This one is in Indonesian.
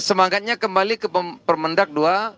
semangatnya kembali ke permendak dua puluh lima